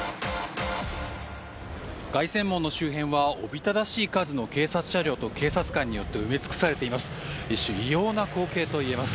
凱旋門の周りはおびただしい数の警察車両と警察官によって埋め尽くされています。